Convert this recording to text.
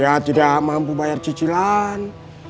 ya tidak mampu bayar cicilan